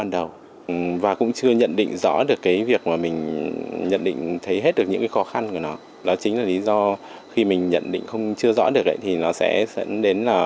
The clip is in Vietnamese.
đang chập chững làm kinh doanh